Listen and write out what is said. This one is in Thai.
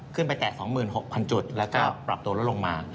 ขึ้นไปแตะก็๒๖๐๐๐จุดแล้วก็ปรับตัวแล้วลงมา